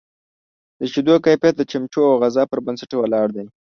د شیدو کیفیت د چمچو او غذا پر بنسټ ولاړ دی.